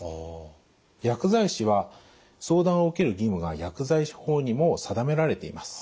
薬剤師は相談を受ける義務が薬剤師法にも定められています。